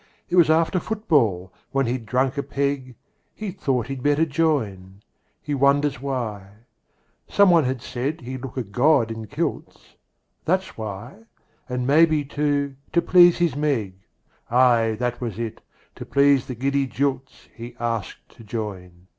It was after football, when he'd drunk a peg, He thought he'd better join. He wonders why ... Someone had said he'd look a god in kilts. That's why; and maybe, too, to please his Meg, Aye, that was it, to please the giddy jilts, He asked to join.